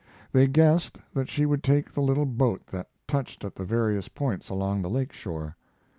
They guessed that she would take the little boat that touched at the various points along the lake shore.